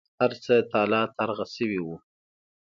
هر څه تالا ترغه شوي وو.